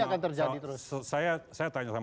akan terjadi terus saya tanya sama